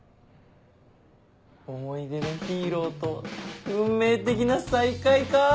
思い出のヒーローと運命的な再会かぁ。